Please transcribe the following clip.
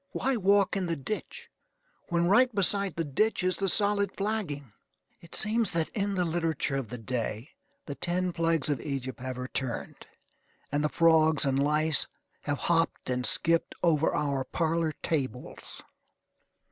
Why walk in the ditch, when right beside the ditch is the solid flagging? It seems that in the literature of the day the ten plagues of Egypt have returned, and the frogs and lice have hopped and skipped over our parlor tables.